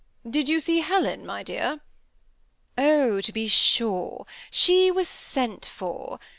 " Did you see Helen, my dear ?"" Oh ! to be sure. She was sent for.